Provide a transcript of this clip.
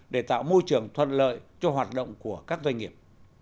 để tạo môi trường thuận lợi cho hoạt động của các doanh nghiệp